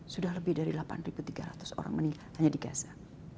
sudah lebih dari delapan ribu tiga ratus orang menikah hanya di gaza